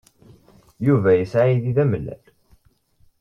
Yuba yesɛa aydi d amellal.